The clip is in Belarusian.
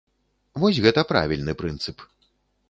Вось гэта правільны прынцып.